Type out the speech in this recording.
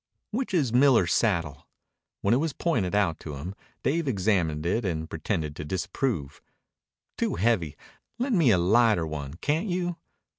"Which is Miller's saddle?" When it was pointed out to him, Dave examined it and pretended to disapprove. "Too heavy. Lend me a lighter one, can't you?"